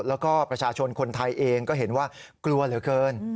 แล้วก็ประชาชนคนไทยเองก็เห็นว่ากลัวเหลือเกิน